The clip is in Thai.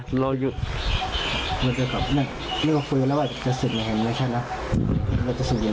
มันก็คุยกันแล้วว่าจะศึกมันแหละนะเราจะศึกได้เลย